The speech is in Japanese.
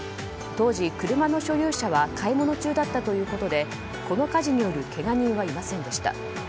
当時、車の所有者は買い物中だったということでこの火事によるけが人はいませんでした。